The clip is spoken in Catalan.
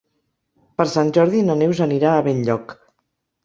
Per Sant Jordi na Neus anirà a Benlloc.